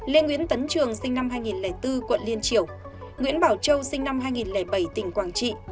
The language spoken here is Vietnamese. lê nguyễn tấn trường sinh năm hai nghìn bốn quận liên triều nguyễn bảo châu sinh năm hai nghìn bảy tỉnh quảng trị